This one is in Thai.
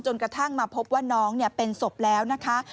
กระทั่งมาพบว่าน้องเป็นศพแล้วนะคะ